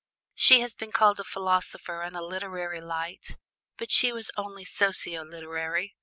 She has been called a philosopher and a literary light. But she was only socio literary.